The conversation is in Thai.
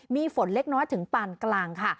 มีฝนเล็กน้อยถึงปานกลางค่ะ